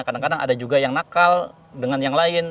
kadang kadang ada juga yang nakal dengan yang lain